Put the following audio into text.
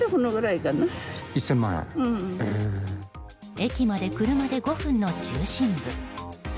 駅まで車で５分の中心部。